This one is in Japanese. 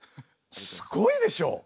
すごいでしょ？